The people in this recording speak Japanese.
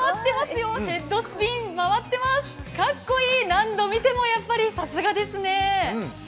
かっこいい、何度見てもさすがですね。